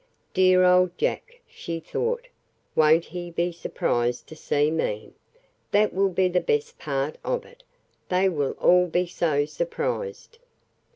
"Dear old Jack!" she thought. "Won't he be surprised to see me! That will be the best part of it. They will all be so surprised."